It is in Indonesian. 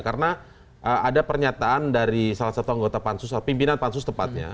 karena ada pernyataan dari salah satu anggota pansus pimpinan pansus tepatnya